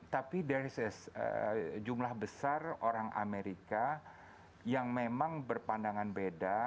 tapi dari jumlah besar orang amerika yang memang berpandangan beda